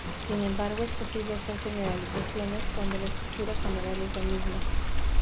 Sin embargo, es posible hacer generalizaciones cuando la estructura general es la misma.